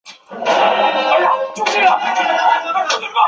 石宣因不满其父石虎较宠爱石韬而要除掉石韬。